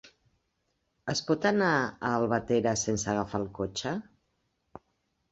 Es pot anar a Albatera sense agafar el cotxe?